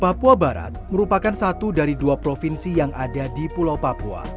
papua barat merupakan satu dari dua provinsi yang ada di pulau papua